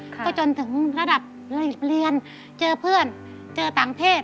ก็จนถึงระดับเรียนเจอเพื่อนเจอต่างเพศ